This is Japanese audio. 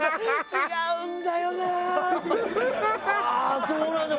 「違うんだよな！」。